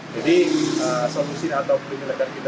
jadi solusi atau penyelidikan kita